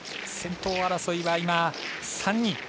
先頭争いは今、３人。